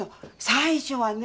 最初はね